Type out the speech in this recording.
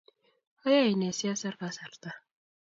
Ayae ne si asor kasarta